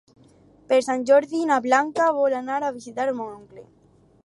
Per Sant Jordi na Blanca vol anar a visitar mon oncle.